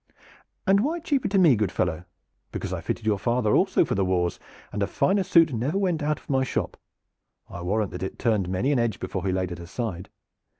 "And why cheaper to me, good fellow?" "Because I fitted your father also for the wars, and a finer suit never went out of my shop. I warrant that it turned many an edge before he laid it aside.